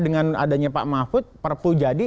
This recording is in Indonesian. dengan adanya pak mahfud perpu jadi